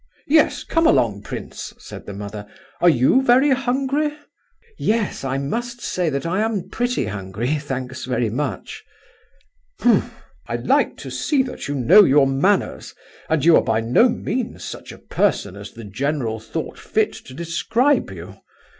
"Yes; come along, prince," said the mother, "are you very hungry?" "Yes; I must say that I am pretty hungry, thanks very much." "H'm! I like to see that you know your manners; and you are by no means such a person as the general thought fit to describe you.